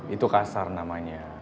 itu kasar namanya